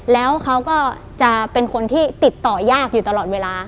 แล้วเขาก็จะเป็นคนที่ติดต่อยากอยู่ตลอดเวลา